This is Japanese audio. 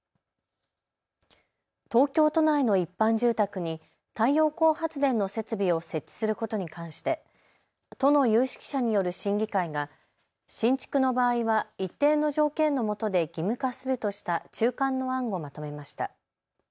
東京都内の一般住宅に太陽光発電の設備を設置することに関して都の有識者による審議会が新築の場合は一定の条件のもとで義務化するとした中間の案をまとめました。